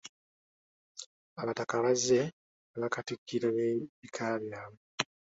Abataka bazze ne bakatikkiro b'ebika byabwe.